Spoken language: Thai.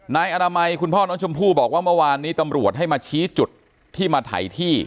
นายอนามัยคุณพ่อน้องชมพู่บอกว่าเมื่อวานนี้ตำรวจให้มาชี้จุดที่มาถ่ายที่